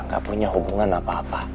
gak punya hubungan apa apa